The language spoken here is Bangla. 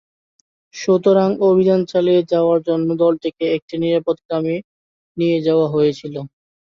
সুতরাং, অভিযান চালিয়ে যাওয়ার জন্য দলটিকে একটি নিরাপদ গ্রামে নিয়ে যাওয়া হয়েছিল।